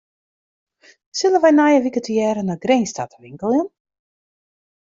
Sille wy nije wike tegearre nei Grins ta te winkeljen?